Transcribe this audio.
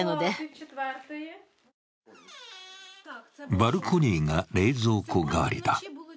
バルコニーが冷蔵庫代わりだ。